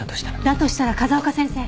だとしたら風丘先生。